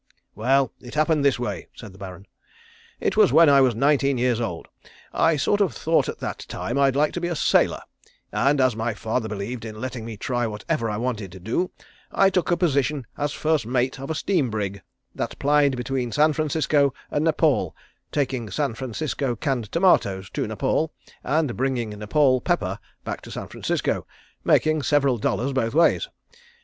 "Well, it happened this way," said the Baron. "It was when I was nineteen years old. I sort of thought at that time I'd like to be a sailor, and as my father believed in letting me try whatever I wanted to do I took a position as first mate of a steam brig that plied between San Francisco and Nepaul, taking San Francisco canned tomatoes to Nepaul and bringing Nepaul pepper back to San Francisco, making several dollars both ways.